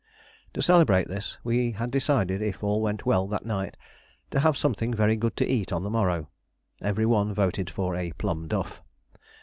To celebrate this we had decided, if all went well that night, to have something very good to eat on the morrow. Every one voted for a plum duff.